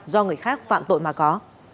do người khác phạm tội mà có